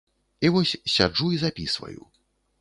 І вось сяджу і запісваю.